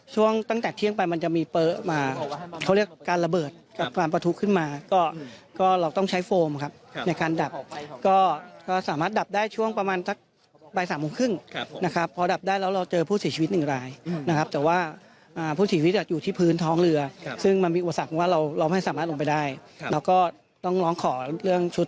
ช่วงตั้งแต่เที่ยงไปมันจะมีเป๊ะมาเขาเรียกการระเบิดกับความประทุขึ้นมาก็เราต้องใช้โฟมครับในการดับก็สามารถดับได้ช่วงประมาณสักบ่ายสามโมงครึ่งนะครับพอดับได้แล้วเราเจอผู้เสียชีวิตหนึ่งรายนะครับแต่ว่าผู้เสียชีวิตอยู่ที่พื้นท้องเรือซึ่งมันมีอุปสรรคว่าเราเราไม่สามารถลงไปได้เราก็ต้องร้องขอเรื่องชุด